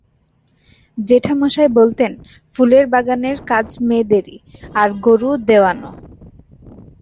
জেঠামশায় বলতেন, ফুলের বাগানের কাজ মেয়েদেরই, আর গোরু দোওয়ানো।